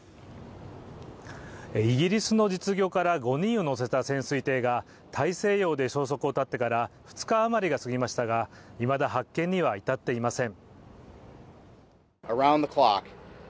イギリスの実業家ら５人を乗せた潜水艇が大西洋で消息を絶ってから２日余りが過ぎましたが、いまだ発見には至っていません。